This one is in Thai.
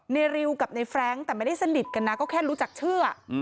ริวกับในแฟรงค์แต่ไม่ได้สนิทกันนะก็แค่รู้จักเชื่อ